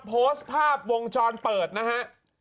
โพสต์ภาพวงจรเปิดนะฮะ